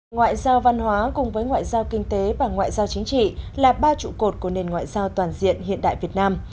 ngoại giao văn hóa cùng với ngoại giao kinh tế và ngoại giao chính trị là ba trụ cột của nền ngoại giao toàn diện hiện đại việt nam